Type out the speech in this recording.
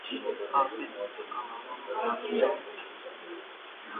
Վարպետի իրական անունը մոռացության է տրվում։